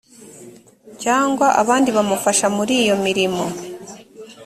cyangwa abandi bamufasha muri iyo mirimo